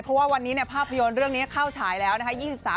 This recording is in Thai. เพราะว่าวันนี้ภาพยนตร์เรื่องนี้เข้าฉายแล้วนะคะ